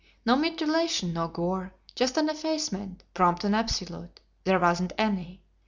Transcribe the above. No mutilation, no gore; just an effacement prompt and absolute 'there wasn't any.'